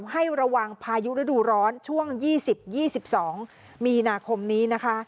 ให้ระวังพายุฤดูร้อนช่วง๒๐๒๒มีนาคมนี้นะคะ